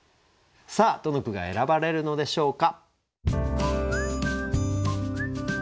さあどの句が選ばれるのでしょうか。